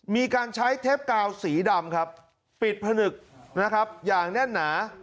มีการใช้เทปกาวสีดำครับปิดผนึกนะครับอย่างแน่นหนา